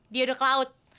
dia udah ke laut